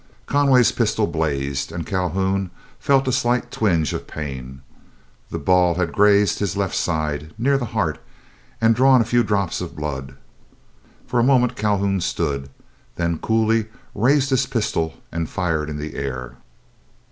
Conway's pistol blazed, and Calhoun felt a slight twinge of pain. The ball had grazed his left side, near the heart, and drawn a few drops of blood. For a moment Calhoun stood, then coolly raised his pistol and fired in the air.